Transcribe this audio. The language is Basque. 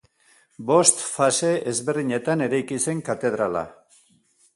Bost fase ezberdinetan eraiki zen katedrala.